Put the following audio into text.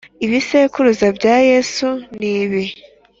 ibisekuruza bya yesu nibi